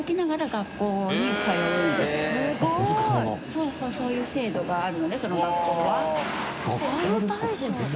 そうそうそういう制度があるので修粒惺擦蓮学校ですか？